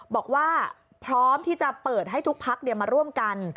บอกว่าพร้อมที่จะเปิดให้ทุกพักมาร่วมกัน